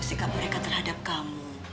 sikap mereka terhadap kamu